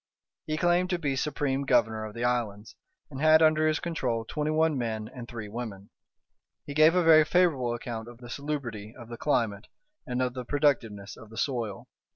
He claimed to be supreme governor of the islands, and had under his control twenty one men and three women. He gave a very favourable account of the salubrity of the climate and of the productiveness of the soil.